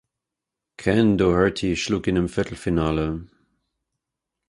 Ken Doherty schlug ihn im Viertelfinale.